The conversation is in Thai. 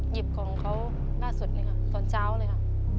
หยิบของเขาล่าสุดเลยค่ะตอนเช้าเลยค่ะ